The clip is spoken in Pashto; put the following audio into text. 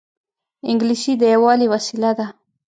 انګلیسي د یووالي وسیله ده